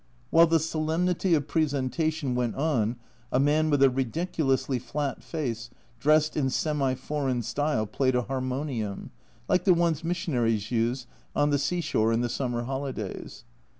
While the solemnity of presentation went on a man with a ridiculously flat face, dressed in semi foreign style, played a harmonium, like the ones missionaries use on the seashore in the summer holidays.